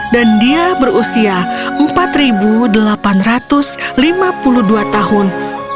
dan dia berusia empat ribu delapan ratus lima puluh dua tahun